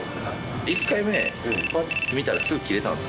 １回目、ぱって見たら、すぐ切れたんですよ。